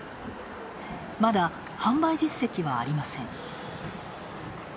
まだ、販売実績はありません。